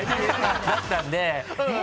だったんでえ